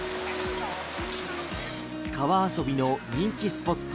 川遊びの人気スポット